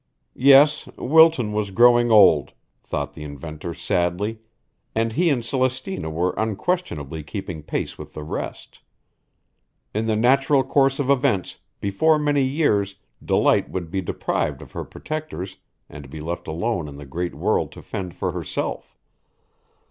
Yes, Wilton was growing old, thought the inventor sadly, and he and Celestina were unquestionably keeping pace with the rest. In the natural course of events, before many years Delight would be deprived of her protectors and be left alone in the great world to fend for herself.